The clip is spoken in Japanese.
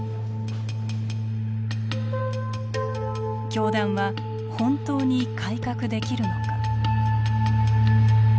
教団は本当に改革できるのか。